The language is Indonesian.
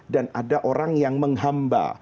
dan ada orang yang menghamba